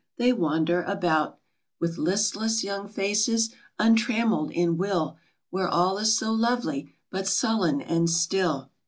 They wander about With listless, young faces, untrammelled in will, Where all is so lovely, but sullen and still.